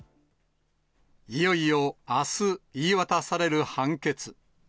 いよいよ、あす、言い渡される判決。